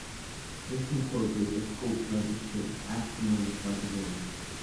This incorporates a sculpture of the ship, half-submerged by the waves.